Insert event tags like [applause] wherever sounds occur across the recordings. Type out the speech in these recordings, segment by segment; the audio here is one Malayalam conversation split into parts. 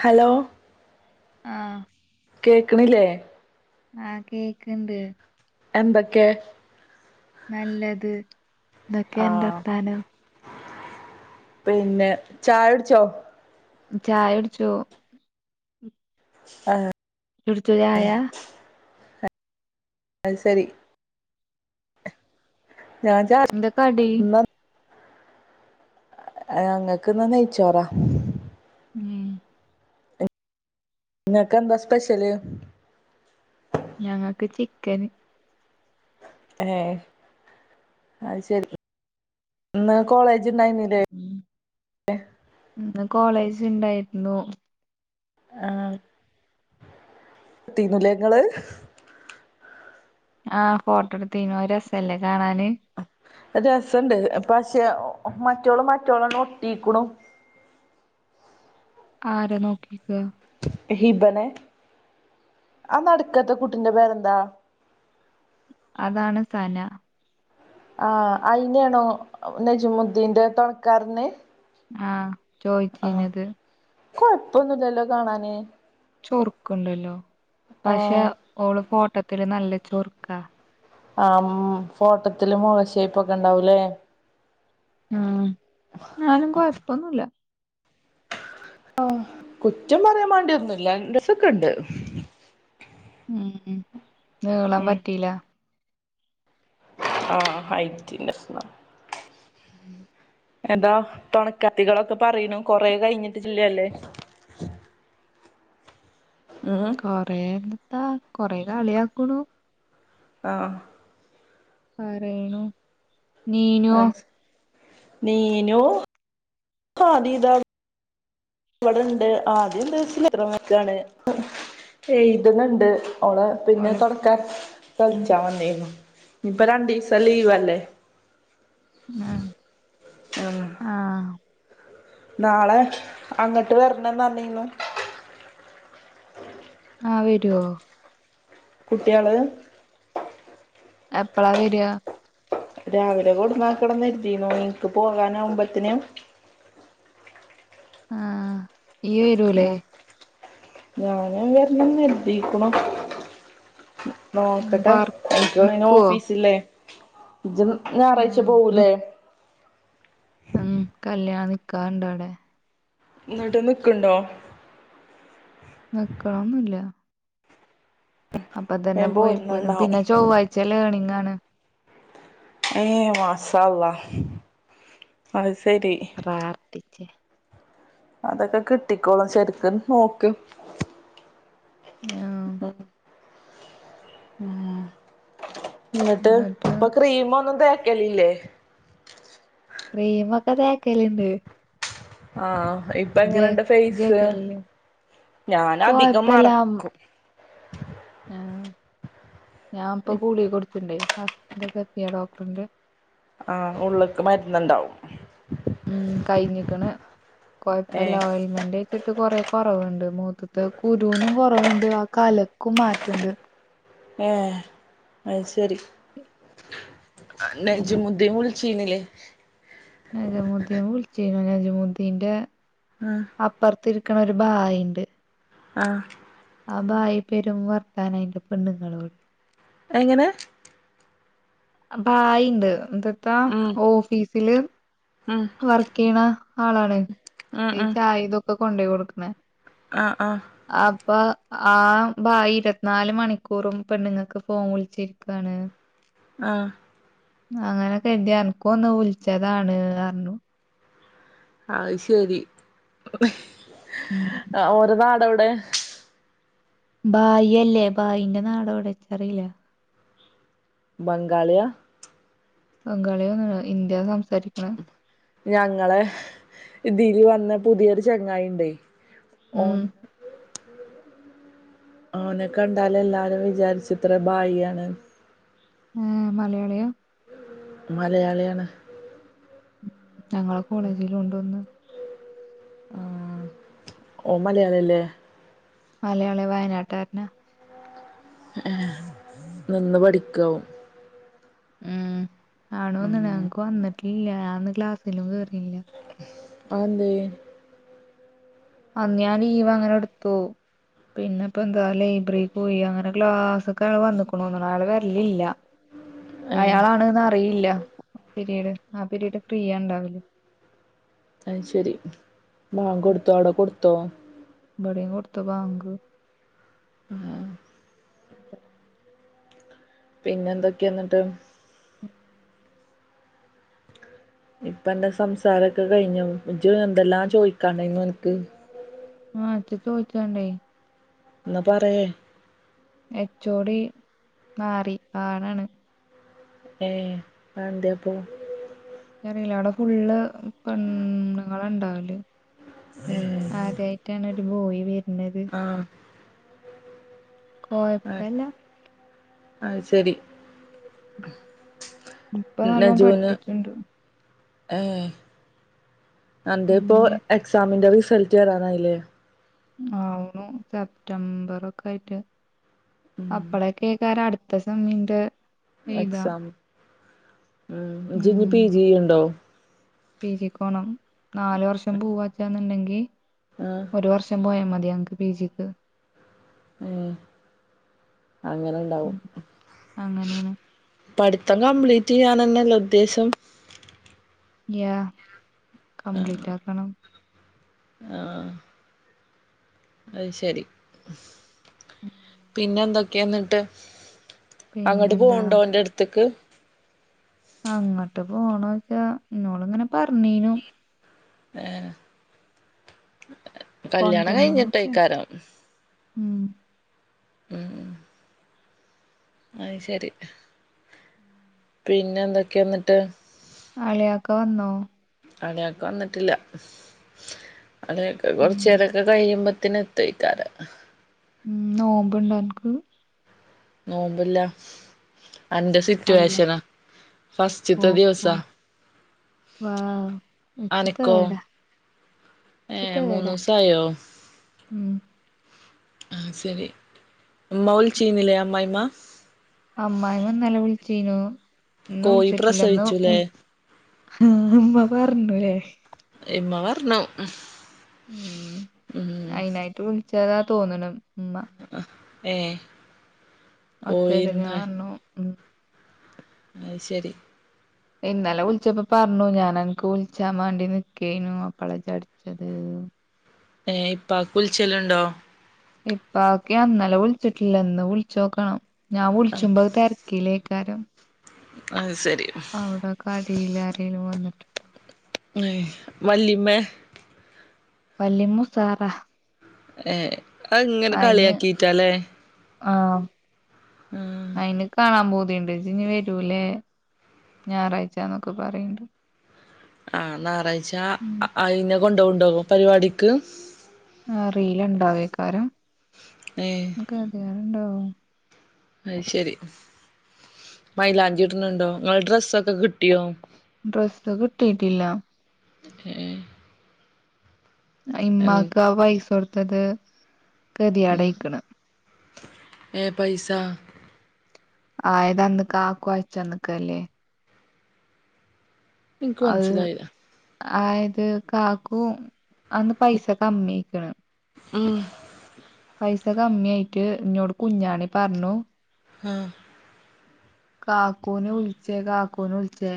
ഹലോ ആഹ് കേക്കണില്ലേ? ആഹ് കേക്ക്‌ണ്ട്. എന്തക്കെ നല്ലത്. ആ എന്തെക്കായാ ഇന്റെ വർത്താനം പിന്നെ ചായ കുടിച്ചോ? ചായയുടിച്ചു. [unintelligible] കുടിച്ചോ ചായ അത് ശെരി എന്താ കടി [unintelligible] അങ്ങക്കിന്ന് നെയിച്ചോറാ മ്മ് നിങ്ങക്ക് എന്താ സ്പെഷ്യല്? ഞങ്ങക്ക് ചിക്കന്. ഏ അത് ശെരി. ഇന്ന് കോളേ ജ് ഇണ്ടായിരുന്നില്ലേ? ഉം [unintelligible] ഇന്ന് കോളേജ് ഉണ്ടായിരുന്നു. തീന്നുല്ങ്ങള്........ ആ ഫോട്ടോ എടുത്തനോ രസല്ലേ കാണാന്........ രസുണ്ട് പ പക്ഷെ മറ്റോളും മറ്റോള ഒട്ടിക്കണ.. ആരാ നോക്കിയിരിക്ക... ഹിബനെ ആ നടക്കാത്ത കുട്ടിൻ്റെ പേരെന്താ........ അതാണ് സന ആ അയിന്നാണോ നജീമുദ്ദീന്റെ തൊണക്കാരന് ആ ആ ചോയ്ച്ചിഞ്ഞത് കൊഴപ്പൊന്നുല്ലല്ലോ കാണാന് ചൊറുക്കുണ്ടല്ലോ പക്ഷെ ആഹ് ഓള് ഫോട്ടത്തില് നല്ല ചൊറുക്കാ ആ ഉം ഫോട്ടത്തില് മൊഖഷൈപ്പൊക്കെ ഇണ്ടാവൂലേ ഉം ന്നാലും കൊഴപ്പൊന്നുല്ല ആ കുറ്റം പറയാൻ വേണ്ടിന്നുല്ല രസൊക്കെ ഇണ്ട് ഉം ഉം നീളം പറ്റില ആ ആ ഹൈറ്റിൻ്റെ [unintelligible] എന്താ ഇത്തവണ കത്തികളൊക്കെ പറയണു കൊറെ കഴിഞ്ഞിട്ടി ജില്ലല്ലേ കൊറെന്തട്ടാ കൊറെ കളിയാക്കണു ആ പറയണു നീനുവോ അത് നീനു കാദീതാ ഇവിടെണ്ട് ആദി ഇൻ്റടുത്ത്ന്ന് [unintelligible] വക്കാണ് എഴുതണ്ണണ്ട് ഓള് പിന്നെ ഓല് തൊണക്കാ ഉം കളിച്ചാൻ വന്നേർന്നു ഇപ്പൊ രണ്ടീസം ലീവല്ലേ ആ ഉം ആ നാളെ അങ്ങട്ട് വരണന്ന് ന്നനിന്നു ആ വരുവോ കുട്ടിള് എപ്പഴാ വരാ രാവിലെ കൊടന്നാക്കണംന്നരുതിന്നു നിനക്ക് പോകാനാവുമ്പത്തിനും ആ ഇയ്യ് വരുല്ലേ ഉം ഞാന് വരണംന്ന് അരുതിക്കണു ഉം നോക്കട്ടെ പാർ എനിക്ക് അയിന് നിക്കുവോ ഓഫീസില്ലേ ഇജും ഞായറാഴ്ച ആഹ് നി പോവൂലേ ഉം കല്യാണം നിക്കാഹ്ണ്ട് അവിടെ ഇന്നിട്ട് നിക്ക്ണ്ടോ നിക്കണംന്നുല്ല അപ്പൊതന്നെ ഞാൻ പോയി പോരും പോരുന്നുണ്ടാവും പിന്നെ ചൊവ്വാഴ്ച ലേണിംഗ് ആണ് ഏ മാഷാ അള്ള അ പ്രാർത്ഥിച്ചെ അതൊക്കെ കിട്ടിക്കോളും ശരിക്ക് നോക്ക് ആഹ് ഉം ഉം ഇന്നിട്ട് എന്നിട്ട് ഇപ്പൊ ക്രീമൊന്നും തേക്കലില്ലേ ക്രീമ് ഒക്കെ തേക്കലിണ്ട് ആ ഇപ്പൊ എങ്ങനെണ്ട് ഫേസ് ജേക്കലില്ലേ ഞാൻ അധികം മറക്കും ആ ഞാൻ ഇപ്പൊ ഗുളിക കുടിച്ച്ണ്ടേ ഹസ് ന്തക്കാ സഫിയ ഡോക്ടറിന്റെ ആ ഉള്ള്ക്ക് മരുന്നുണ്ടാവും ഉം കഴിഞ്ഞിക്കണ് കൊയപ്പല്ല ഏഹ് ഓൽമെന്റ് വെച്ചിട്ട് കൊറെ കൊറവുണ്ട് മോത്തത്തെ കുരൂനും കൊറവുണ്ട് ആ കലക്കും മാറ്റണ്ട് ഏ അയ്ശരി ആ ഉം നെജ്മുദീൻ വിളിച്ചീനിലേ നജമുദ്ദീൻ വിളിച്ചിനു നജമുദ്ദീന്റെ ആഹ് അപ്പറത്തിരി ക്കണ ഒരു ഭായ്ണ്ട് ആഹ് ആ ഭായി പെരും വർത്താൻ അയിന്റെ പെണ്ണുങ്ങളോട് എങ്ങനെ അ ഭായ്ണ്ട് എന്തത്താ ഉം ഓഫീസില് ഉം വർക്ക് ചെയ്യണ ആളാണ് ഈ ചായ ഇതൊക്കെ കൊണ്ടു പോയി കൊടുക്കണ ആഹ ആഹ അപ്പൊ ആ ഭായി ഇരുപത്തിനാല് മണിക്കൂറും പെണ്ണുങ്ങക്ക് ഫോൺ വിളിച്ചിരിക്കാണ് ആഹ അങ്ങനെക്കെ എന്ത് അനക്കും ഒന്ന് വിളിച്ചതാണ് അറിഞ്ഞു അത് ശരി ഉം ഓന്റെ നാടവിടെ ബായിയല്ലേ ഭായിന്റെ നാടോവിടെക്കറിയില ബംഗാളിയ ബംഗാളിയാന്ന് ന്ന് ഹിന്ദിയ സംസാരിക്കണ ഞങ്ങളെ ഇതില് വന്ന പുതിയൊരു ചങ്ങായി ഉണ്ടെ ഉം ഓൻ ഓനെ കണ്ടാല് എല്ലാരും വിചാരിച്ച ഇത്ര ഭായിയാണ് ഉം മലയാളിയ മലയാളിയാണ് ഉം ഞങ്ങളെ കോളേജില് ഉണ്ടൊന്ന് ആ ഓൻ മലയാളില്ലേ മലയാളി വയനാട്ടാരന നിന്ന് പഠിക്കാവും ഉം ആണോന്ന ഉം ഞങ്ങക്ക് വന്നിട്ടില്ല അന്ന് ക്ലാസ്സിലും കേറില്ല അതന്തെ അന്ന് ഞാൻ ലീവ് അങ്ങനെ എടുത്തു പിന്നെ ഇപ്പ എന്താ ലൈബ്രറി പോയി അങ്ങനെ ക്ലാസ്ക്കെ അ വന്നക്കണോന്ന അയാള് വരലിയില്ല ഏഹ് അയാളാണ്ന്ന് അറിയില്ല പിരീഡ് ആ പിരീഡ് ഫ്രീയാ ഉണ്ടാവലെ അത് ശെരി മോൻ കൊടുത്തോ അടെ കൊടുത്തോ ബടെയും കൊടുത്ത് ബാങ്ക് ആഹ [inaudible] പിന്നെ എന്തൊക്കെയ എന്നിട്ട് [inaudible] ഇപ്പ എന്റെ സംസാരൊക്കെ കഴിഞ്ഞോ ഇജ്ജ് എന്തെല്ലാം ചോയ്ക്കാണ്ടായിനു എന്ക്ക് ആഹ ഇച് ചോയ്ച്ചണ്ടേ എന്നാ പറയ് എച്ചോടി മാറി പാടാണ് ഏ ആന്തെപ്പോ അറില്ല അവിടെ ഫുള്ള് പെണ്ണ്ങ്ങള ഉണ്ടാവല് ആദ്യായിട്ടാണ് ഒരു ബോയി വര് ആഹ കോഴപ്പല്ല അത് ശരി ഇപ്പ നല്ലോം നജൂന് പഠിപ്പിക്ക്ണ്ട് ഏ അന്റെ ഇപ്പോ ഇഞ്ഞ് എക്സാമിന്റെ റിസൾട്ട് വരാറായില്ലേ ആവണു സെപ്റ്റംബറ ഒക്കെ ആയിട്ട് ഉം അപ്പളൊ കേ കേക്കാ അട ത്ത സെമ്മിന്റെ എഴുതാ എക്സാം. ഉം ഇനി പി ജി ചെയ്യണ്ടോ? പി ജിക്ക് പോണം. നാല് വർഷം പോവാച്ചന്നുണ്ടെങ്കി ആഹ് ഒരു വർഷം പോയൽ മതി. ഞങ്ങ്ക്ക് പിജിക്ക് ഉം അങ്ങനെണ്ടാവും ഉം, അങ്ങനെയാണ് പഠിത്തം കംപ്ലീറ്റ് ചെയ്യാനെന്നല്ലേ ഉദ്ദേശം. യാ കംപ്ലീറ്റ് ആക്കണം. ആഹ അത് ശരി ഉം. പിന്നെ എന്തൊക്കെയന്നിട്ട് അങ്ങോട്ട് പിന്നെന്താ പോവണ്ടോ ഓന്റെട്ത്ത്ക്ക് അങ്ങട്ട് പോണോയ്ച്ചാ ഇന്നോട്ങ്ങനെ പറഞ്ഞീനു ആഹ കൊണ്ടരണംന്നൊക്കെ കഴിഞ്ഞിട്ടേക്കാരം ഉം. ഉം അ ശരി പിന്നെ എന്തൊക്കെയ എന്നിട്ട് അളിയൊക്കെ വന്നോ അളിയാക്ക വന്നിട്ടില്ല അളിയാക്ക ഉം കൊറച്ചേരൊക്കെ കഴിയുമ്പ ത്തിന് എത്തയ്ക്കാര. ഉം നോമ്പ്ണ്ടോ അന്ക്ക് നോമ്പില്ല. അന്റെ സിറ്റുവേഷന കല്ലത്തി ഫസ്റ്റത്തെ ഓഹോ ദിവസാ വൗ അനക്കോ നച്ചിത്തേടാ ഏഹ് ത്തേട മൂന്നൂസായോ ഉം ആഹ ശരി മൗല് ചെയ്യുന്നില്ലേ അമ്മായ്മ്മ അമ്മായ്മ ന്നലെ വിളിച്ചീനു ഇന്ന് കോയി വിളിച്ചിട്ടില്ല ന്ന് പ്രസവിച്ചുലേ ആ അമ്മ പറഞ്ഞുലെ ഇമ്മ പറഞ്ഞു ഉം ഉം അയിനായിട്ട് വിളിച്ചതാ തോന്നണ് മ്മാ ഏ അച്ചേര് കോഴിന്താ ഞാറ്ഞ്ഞു അയ്ശരി. ഇന്നലെ വിളിച്ചപ്പോ പറഞ്ഞു ഞാനന്ക്ക് വിളിച്ചാൻ വേണ്ടി നിക്കേനു അപ്പളാ ഇജ് അടിച്ചത് ഏ ഇപ്പാക്ക് കുളിച്ചലുണ്ടോ ഇപ്പാക്ക് ഞ ഇന്നലെ വിളിച്ചിട്ടില്ലന്നിളിച്ചോക്കണം ഞാൻ ആഹ് വിളിച്ചുമ്പ തെരക്കിലേക്കാ രം അത് ശരി അവടെ കടേല് ആരേലും വന്നിട്ട് ഉ വല്ലിമ്മേ വല്ലിമ്മുസാറാ ഏ ഇങ്ങനെ കളിയാക്കീറ്റാലേ ആഹ അയിന് കാണാ പൂ തിണ്ട് ഇജിനി വരൂല്ലേ ഞാറാഴ്ചന്നൊക്കെ പറയണ്ട്. ആ ഞായറാഴ്ച ഉം അയിനെ കൊണ്ടോവുണ്ടൊ പരിവാടിക്ക്. ആ അറീല ഇണ്ടാവേക്കാരം ഏ അധികാരണ്ടാവും അയ്ശെരി മൈലാഞ്ചിടണ് ണ്ടൊ? ഇങ്ങളെ ഡ്രസ്സൊക്കെ കിട്ടിയോ? ഡ്രസ്സ് കിട്ടിട്ടില്ല. ഹേ ഇമ്മാക്ക് അവൈസ കൊടുത്തത് കതി ആടയിക്കണ് എ പൈസാ ആഹ് ഇതന്ന് കാക്കു അയച്ചന്ന്ക്കല്ലേ ഇൻക്ക് അത് മനസ്സിലായില്ല ആയത് കാക്കു അന്ന് പൈസ കമ്മിയായ്ക്ക്ണ് ഉം പൈസ കമ്മിയായിട്ട് ഇന്നോട് കുഞ്ഞാണി പറഞ്ഞു ആഹ് കാക്കൂന് വിളിച്ചേ കാക്കൂന് വിളിച്ചേ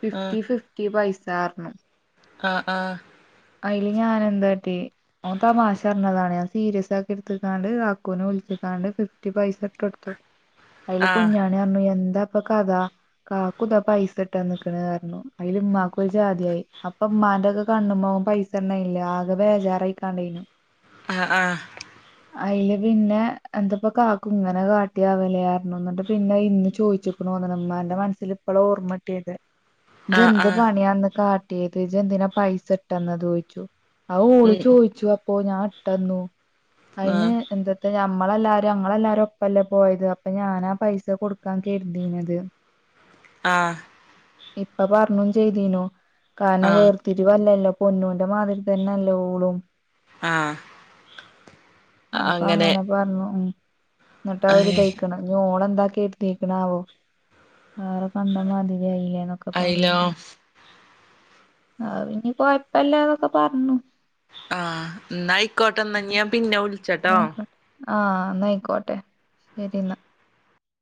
ഫിഫ്റ്റി ഫിഫ്റ്റി പൈസ് തർന്നു ആഹ് ആഹ് അയില് ഞാന് എന്താട്ടി ഓൻ തമാശ പറഞ്ഞതാണ് ഞാ സീരിയസ് ആക്കി എട്ത്ത്ക്കാണ്ട് കാക്കൂനാ വിളിച്ച്ക്കണ്ട് ഫിഫ്റ്റി പൈസ ഇട്ടോടുത്തു അയില് ആ കുഞ്ഞാണിയറിഞ്ഞു എന്താ പ്പൊ കഥ കാക്കു ധാ പൈസ ഇട്ടന്ന്ക്ക്‌ണ് അർഞ്ഞു അയില് മ്മാക്കൊര് ജാതിയായി അപ്പ മ്മ ന്റൊക്ക കണ്ണുമ്മോ പൈസണ്ടയ്ല ആകെ ബേജാറായ്ക്കാണ്ടേയിനു ആഹ് ആഹ് അയില് പിന്നെ എന്ത്പ്പാ കാക്കു ഇങ്ങന കാട്ട്യാവലേ അർഞ്ഞു ന്നിട്ട് പിന്നെ ഇന്ന് ചോയിച്ച്ക്ക്‌ണു മ്മാന്റെ മനസ്സില് ഇപ്പോളോ ഓർമ്മട്ട്യത് ആഹ് ഇജ്ജെന്ത്‌ ആഹ് പണിയാന്ന് കാട്ട്യത് ഇജ്ജ് എന്തിനാ പൈസട്ടന്നത് ഓയ്ച്ചു ആഹ് ഓള് ഉം ചോയ്ച്ചു അപ്പോ ഞാൻ ഇട്ടന്നു അയിന് ആഹ് എന്തത്ത ഞാ മ്മളെല്ലാരും അങ്ങളല്ലാരും ഒപ്പല്ലേ പോയത് അപ്പൊ ഞാനാ പൈസ കൊട്ക്കാൻ കെര്തീനത് ആഹ് ഇപ്പ പർഞ്ഞും ചെയ്തീനു കാര്ണം ആഹ് വേർത്തിരിവല്ലല്ലോ പൊന്നൂന്റെ മാതിരി തെന്നല്ലേ ഓളും ആഹ് അപ്പൊ അങ്ങനെ അങ്ങന പർഞ്ഞു ഉം ന്നിട്ട് ആ ഒരു ഏയ്, ഇതയ്ക്കണ് ഇനി ഓളെന്താക്കി ഇരുത്തിക്ക്ണ് ആവോ വേറെ കണ്ട മാതിരി ആയില്ലേ ന്നൊക്ക അയിലോ പറിയിണ്ട് അവ് ഇനി കൊയ് പ്പല്ലാന്നൊക്ക പർന്നു ആഹ് ന്നായ്ക്കോട്ടെന്നാ ഇനി ഞാൻ പിന്ന ന്നാ വിളിച്ചട്ടോ ആയിക്കോട്ടെ ആഹ് ന്നായ്ക്കോട്ടെ ശരിന്നാ